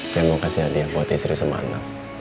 saya mau kasih hadiah buat istri sama anak